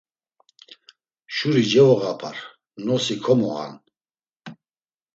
“Şuri cevoğapar, nosi komoğan!”